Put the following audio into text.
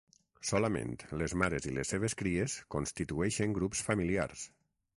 Solament les mares i les seves cries constitueixen grups familiars.